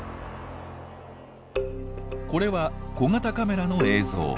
これは小型カメラの映像。